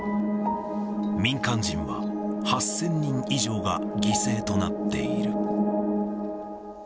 民間人は８０００人以上が犠牲となっている。